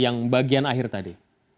yang bagian akhir tadi